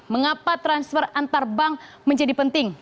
mengapa transfer antar bank menjadi penting